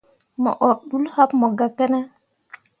Mo ur ḍul happe mo gah ki ne.